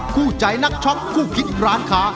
คู่ใจนักช็อคคู่คิดร้านค้า